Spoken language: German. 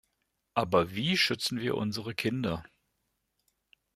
Aber wie schützen wir unsere Kinder?